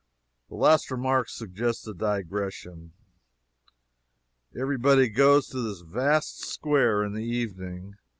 The last remark suggests a digression. Every body goes to this vast square in the evening.